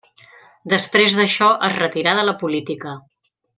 Després d'això, es retirà de la política.